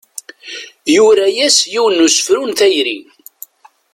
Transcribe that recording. Yura-as yiwen n usefru n tayri.